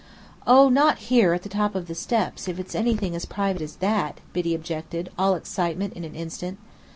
"Oh, not here at the top of the steps, if it's anything as private as that," Biddy objected, all excitement in an instant.